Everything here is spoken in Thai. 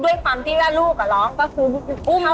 ด้วยความที่ว่าลูกอ่ะร้องก็คืออุ้มเขา